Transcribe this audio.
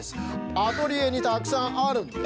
アトリエにたくさんあるんです。